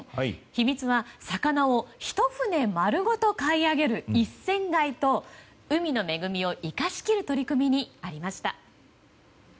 秘密は魚を、ひと船丸ごと買い上げる一船買いと海の恵みを生かし切る取り組みにありました。